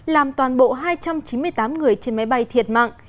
làm toàn bộ hai trăm chín mươi tám người trên máy bay thiệt mạng